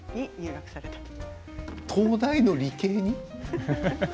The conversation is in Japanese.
東大の理系に？